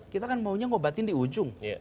kita kan maunya ngobatin di ujung